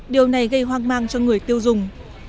điều này gây hoang mang cho người tiêu dùng